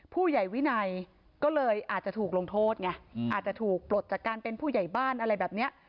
ผู้ใหญ่วินัยก็เลยอาจจะถูกลงโทษไงอาจจะถูกปลดจากการเป็นผู้ใหญ่บ้านอะไรแบบนี้